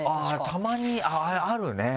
たまにあるね！